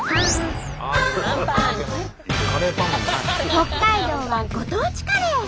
北海道はご当地カレー！